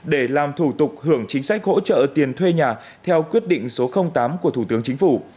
để làm thủ tục hưởng chính sách hỗ trợ tiền thuê nhà theo quyết định số tám của thủ tướng chính phủ